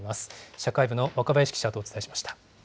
社会部の若林記者とお伝えしました。